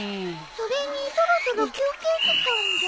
それにそろそろ休憩時間じゃ。